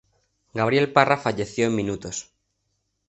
Gabriel Parra falleció en minutos.